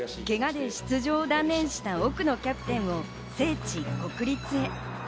けがで出場を断念した奥野キャプテンを聖地・国立へ。